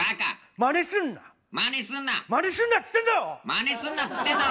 まねすんなっつってんだろ！